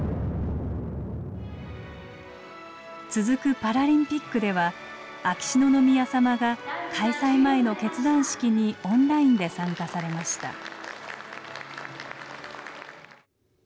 続くパラリンピックでは秋篠宮さまが開催前の結団式にオンラインで参加されました。